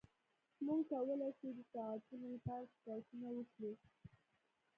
موږ کولی شو د ساعتونو لپاره شکایتونه وکړو